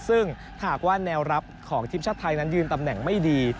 ซึ่งหากว่าแนวรับของทีมชาติไทยนั้นยืนตำแหน่งไม่ดี